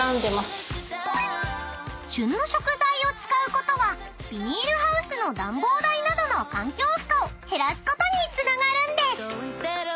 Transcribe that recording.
［旬の食材を使うことはビニールハウスの暖房代などの環境負荷を減らすことにつながるんです］